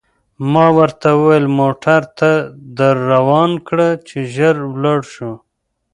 ما ورته وویل: موټر ته در روان کړه، چې ژر ولاړ شو.